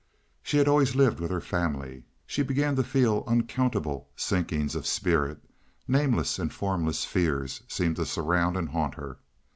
She had always lived with her family. She began to feel unaccountable sinkings of spirit, nameless and formless fears seemed to surround and haunt her.